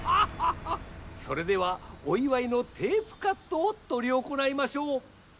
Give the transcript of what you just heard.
それではおいわいのテープカットをとり行いましょう。